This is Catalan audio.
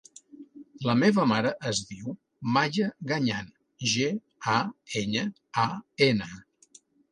La meva mare es diu Maya Gañan: ge, a, enya, a, ena.